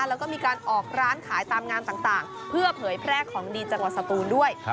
แล้วก็มีการออกร้านขายตามงานต่างเพื่อเผยแพร่ของดีจังหวัดสตูนด้วย